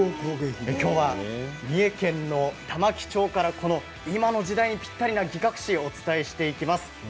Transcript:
きょうは三重県の玉城町から今の時代に、ぴったりな擬革紙をお伝えしていきます。